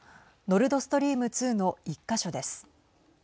ノルドストリーム２の１か所です。